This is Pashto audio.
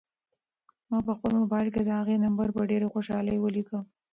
ما په خپل موبایل کې د هغې نمبر په ډېرې خوشحالۍ ولیکه.